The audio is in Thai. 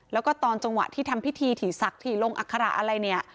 แล้วก็ตอนจังหวะที่ทำพิธีถี่ศักดิ์ถี่ลงอัคระอะไรเนี่ย